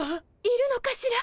いるのかしら？